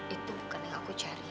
itu bukan yang aku cari